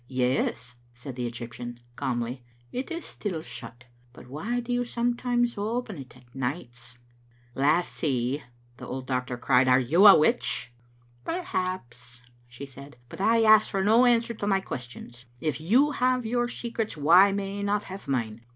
" Yes," said the Egyptian calmly, " it is still shut; but why do you sometimes open it at nights?" " Lassie," the old doctor cried, " are you a witch?" "Perhaps," she said; "but I ask for no answer to my questions. If you have your secrets, why may I not have mine?